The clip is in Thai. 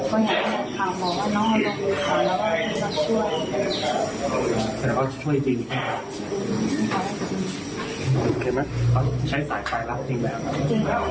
เห็นไหมเขาใช้สายไฟรักจริงแบบนั้น